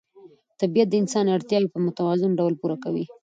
طبیعت د انسان اړتیاوې په متوازن ډول پوره کوي